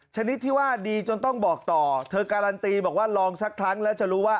ชนิดที่ว่าดีจนต้องบอกต่อเธอการันตีบอกว่าลองสักครั้งแล้วจะรู้ว่า